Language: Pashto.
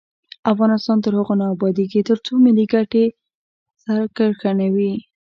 افغانستان تر هغو نه ابادیږي، ترڅو ملي ګټې سر کرښه وي.